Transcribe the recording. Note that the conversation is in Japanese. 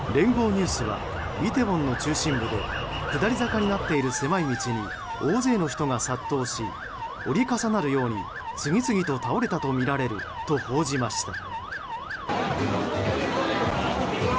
ニュースはイテウォンの中心部で下り坂になっている狭い道に大勢の人が殺到し折り重なるように次々と倒れたとみられると報じました。